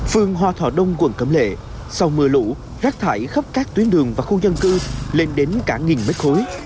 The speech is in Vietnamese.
phương hoa thọ đông quận cẩm lệ sau mưa lũ rác thải khắp các tuyến đường và khu dân cư lên đến cả nghìn mét khối